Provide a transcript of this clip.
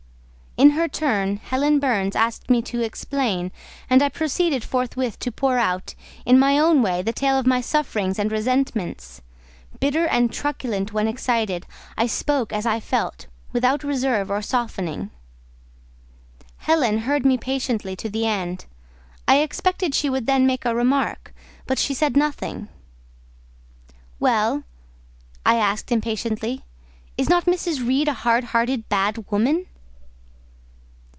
In her turn, Helen Burns asked me to explain, and I proceeded forthwith to pour out, in my own way, the tale of my sufferings and resentments. Bitter and truculent when excited, I spoke as I felt, without reserve or softening. Helen heard me patiently to the end: I expected she would then make a remark, but she said nothing. "Well," I asked impatiently, "is not Mrs. Reed a hard hearted, bad woman?"